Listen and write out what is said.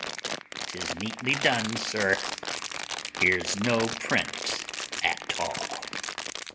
] 'Tis neatly done, sir; here's no print at all.